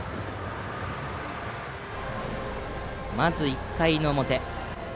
まず１回表。